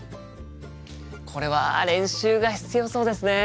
これは練習が必要そうですね。